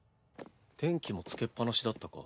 電気もつけっぱなしだったか。